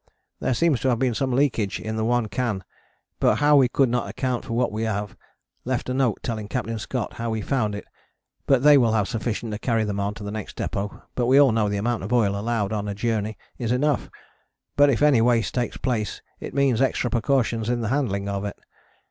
There seems to have been some leakage in the one can, but how we could not account for that we have left a note telling Capt. Scott how we found it, but they will have sufficient to carry them on to the next depôt, but we all know the amount of oil allowed on the Journey is enough, but if any waste takes place it means extra precautions in the handling of it.